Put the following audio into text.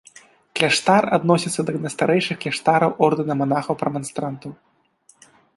Кляштар адносіцца да найстарэйшых кляштараў ордэна манахаў-прэманстрантаў.